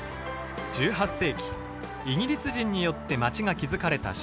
１８世紀イギリス人によって街が築かれたシドニー。